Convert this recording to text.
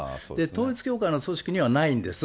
統一教会の組織にはないんです。